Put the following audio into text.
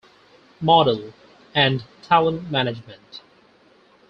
Model and Talent Management.